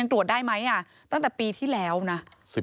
ตรวจได้ไหมตั้งแต่ปีที่แล้วนะ